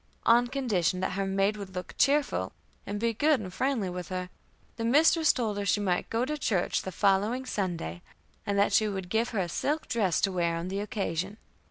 On condition that her maid would look cheerful, and be good and friendly with her, the mistress told her she might go to church the following Sunday, and that she would give her a silk dress to wear on the occasion.